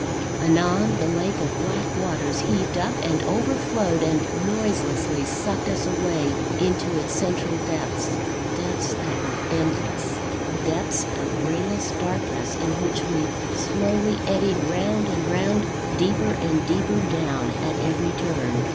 Anon, the lake of black waters heaved up and overflowed, and noiselessly sucked us away into its central depths depths that were endless; depths of rayless darkness, in which we slowly eddied round and round, deeper and deeper down at every turn.